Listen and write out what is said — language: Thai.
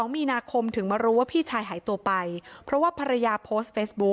มีนาคมถึงมารู้ว่าพี่ชายหายตัวไปเพราะว่าภรรยาโพสต์เฟซบุ๊ค